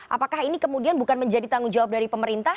apakah ini kemudian bukan menjadi tanggung jawab dari pemerintah